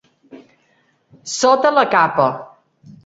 Sota la capa.